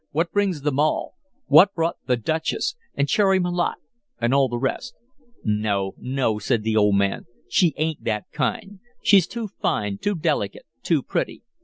What brings them all? What brought 'the Duchess,' and Cherry Malotte, and all the rest?" "No, no," said the old man. "She ain't that kind she's too fine, too delicate too pretty."